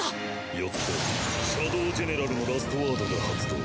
よってシャドウジェネラルのラストワードが発動。